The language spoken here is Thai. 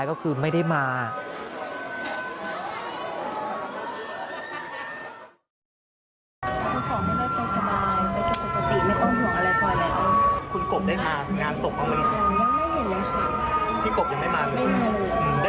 แล้วก็ไม่ได้อยากให้เขาแบบว่า